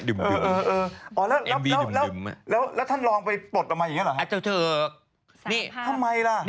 เออแล้วท่านลองไปปลดออกมาอย่างนี้เหรอคะสาธารณ์ภาพทำไมล่ะ